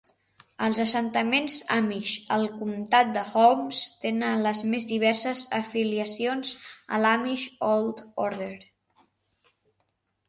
Els assentaments amish al comtat de Holmes tenen les més diverses afiliacions a l'Amish Old Order.